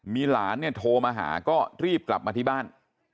มีหลานเนี่ยโทรมาหาก็รีบกลับมาที่บ้าน